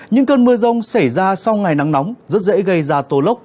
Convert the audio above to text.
những cơn mưa rông xảy ra sau ngày nắng nóng rất dễ gây ra tổ lốc